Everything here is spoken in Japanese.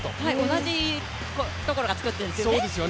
同じところが作っているんですよね。